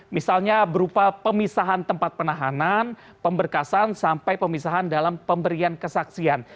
misalnya berupa pemisahan tempat penahanan pemberkasan sampai pemisahan dalam pemberian kesaksian